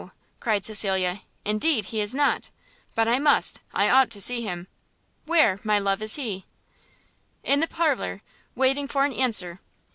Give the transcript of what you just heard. cried Cecilia, "indeed he is not! but I must, I ought to see him, where, my love, is he?", "In the parlour, waiting for an answer.